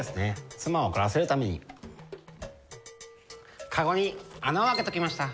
妻を怒らせるためにカゴに穴を開けときました。